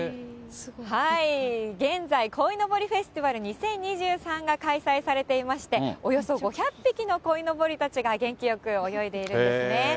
現在、こいのぼりフェスティバル２０２３が開催されていまして、およそ５００匹のこいのぼりたちが元気よく泳いでいるんですよね。